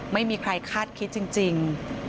ไม่มีใครคาดคิดจริง